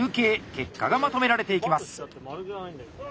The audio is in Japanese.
結果がまとめられていきます。